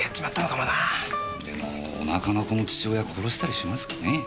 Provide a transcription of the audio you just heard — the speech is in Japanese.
でもお腹の子の父親殺したりしますかね？